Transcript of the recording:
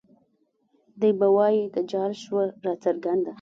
دے به وائي تجال شوه راڅرګنده